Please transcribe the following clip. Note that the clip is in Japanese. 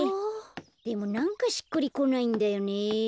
でもなんかしっくりこないんだよね。